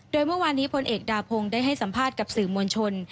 โดยเมื่อวานนี้พลเอกดาพงศ์ได้ให้สัมภาษณ์กับสื่อมวลชน